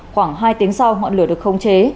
khoảng hai tiếng sau họ lửa được không chế